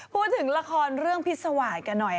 พูดถึงละครเรื่องภิษวาธิการหน่อยค่ะ